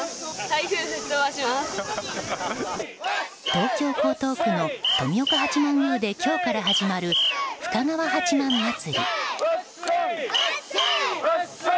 東京・江東区の富岡八幡宮で今日から始まる深川八幡祭り。